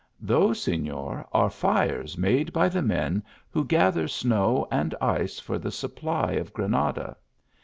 " Those, Seaor, are fires made by the men who gather snow and ice for the supply of Granada, 83 TEE ALHAMBjRA.